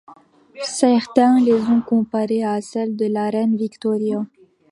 Certains les ont comparées à celles de la reine Victoria.